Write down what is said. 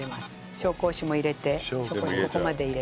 紹興酒も入れてここまで入れて。